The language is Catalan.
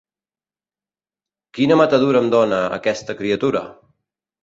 Quina matadura em dona, aquesta criatura!